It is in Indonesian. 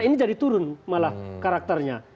ini jadi turun malah karakternya